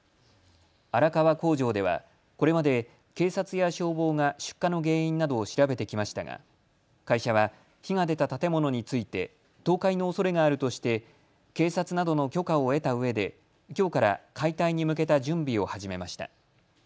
荒川工場では、これまで警察や消防が出火の原因などを調べてきましたが会社は火が出た建物について倒壊のおそれがあるとして警察などの許可を得たうえできょうから解体に向けた準備を始めました。